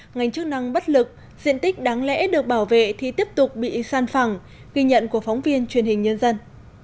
ngành chức năng bất lực diện tích đáng lẽ được bảo vệ thì tiếp tục bị san phẳng ghi nhận của phóng viên truyền hình nhân dân